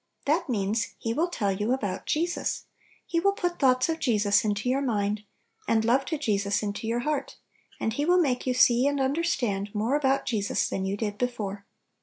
That means, He will tell you about Jesus; He will put thoughts of Jesus into your mind, and love to Je sus into your heart, and He will make you see and understand more about Jesus than you did before.